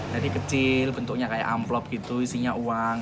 jadi kecil bentuknya kayak amplop gitu isinya uang